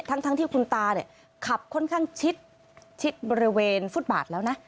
ทั้งที่คุณตาเนี่ยขับค่อนข้างชิดบริเวณฟุตบาทแล้วนะ